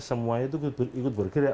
semuanya itu ikut bergerak